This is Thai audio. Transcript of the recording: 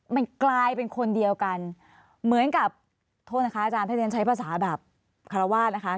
มันกลายเป็นคนเดียวกันเหมือนกับโทษนะคะอาจารย์ถ้าเรียนใช้ภาษาแบบคารวาสนะคะ